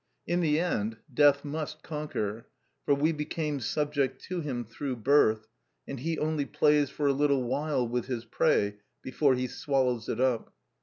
In the end, death must conquer, for we became subject to him through birth, and he only plays for a little while with his prey before he swallows it up.